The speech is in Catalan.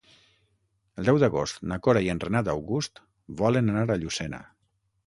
El deu d'agost na Cora i en Renat August volen anar a Llucena.